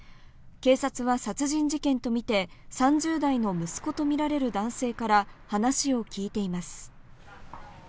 警察は殺人事件とみて３０代の息子とみられる男性から話を聞いています。